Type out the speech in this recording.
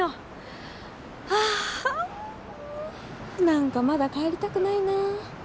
なんかまだ帰りたくないな。